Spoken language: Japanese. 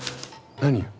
何よ。